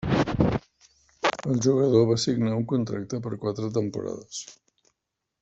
El jugador va signar un contracte per quatre temporades.